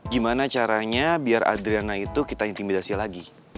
gimana caranya biar adriana itu kita intimidasi lagi